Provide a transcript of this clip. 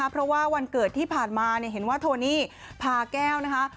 เพราะว่าวันเกิดที่ผ่านมาเห็นว่าโทนี่พาแก้วนะคะ